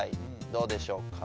どうでしょうか？